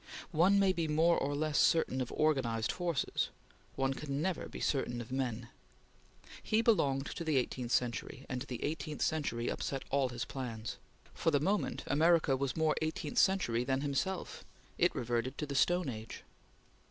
One may be more or less certain of organized forces; one can never be certain of men. He belonged to the eighteenth century, and the eighteenth century upset all his plans. For the moment, America was more eighteenth century than himself; it reverted to the stone age.